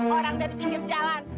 orang dari pinggir jalan